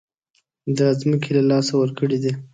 دا ځمکې له لاسه ورکړې دي.